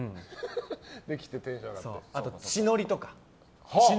あと血のりとか。